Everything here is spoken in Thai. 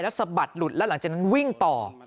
สะบัดหลุดแล้วหลังจากนั้นวิ่งต่อ